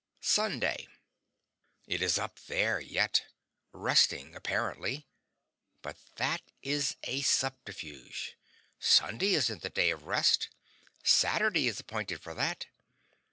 SUNDAY. It is up there yet. Resting, apparently. But that is a subterfuge: Sunday isn't the day of rest; Saturday is appointed for that.